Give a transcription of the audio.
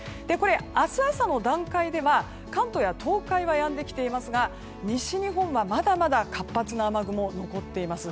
明日朝の段階では関東や東海はやんできていますが西日本はまだまだ活発な雨雲が残っています。